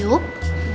kau sabar unta